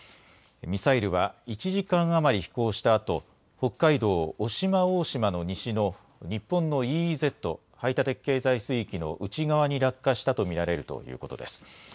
ミサイルは１時間余り飛行したあと、北海道渡島大島の西の日本のＥＥＺ・排他的経済水域の内側に落下したと見られるということです。